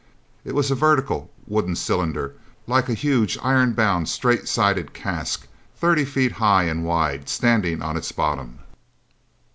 It was a vertical wooden cylinder, like a huge, ironbound, straight sided cask, thirty feet high and wide, standing on its bottom.